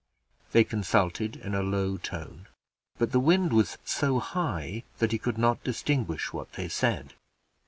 They consulted in a low tone but the wind was so high that he could not distinguish what they said.